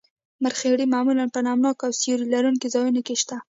مرخیړي معمولاً په نم ناکو او سیوري لرونکو ځایونو کې شنه کیږي